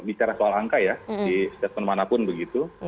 bicara soal angka ya di setiap teman manapun begitu